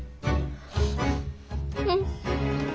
うん。